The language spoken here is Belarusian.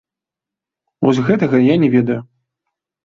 Вось гэтага я не ведаю!